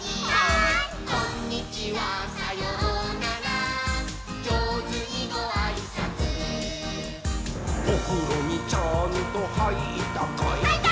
「こんにちはさようならじょうずにごあいさつ」「おふろにちゃんとはいったかい？」はいったー！